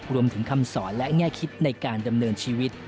คำสอนและแง่คิดในการดำเนินชีวิต